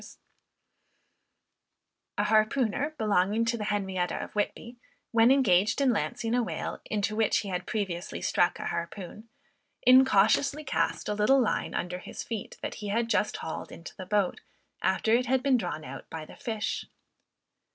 A harpooner belonging to the Henrietta of Whitby, when engaged in lancing a whale, into which he had previously struck a harpoon, incautiously cast a little line under his feet that he had just hauled into the boat, after it had been drawn out by the fish.